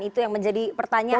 itu yang menjadi pertanyaan